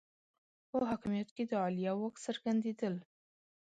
په حاکمیت کې د عالیه واک څرګندېدل